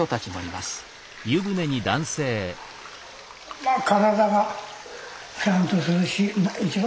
まあ体がしゃんとするし一番